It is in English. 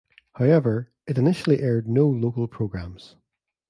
However, it initially aired no local programs.